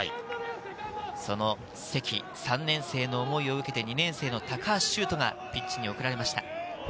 その積、３年生の思いを受けて、２年生・高橋修斗がピッチに送られました。